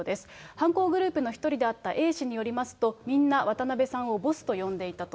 犯行グループの１人であったＡ氏によりますと、みんな、渡辺さんをボスと呼んでいたと。